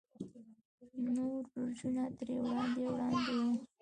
نور برجونه ترې وړاندې وړاندې وو.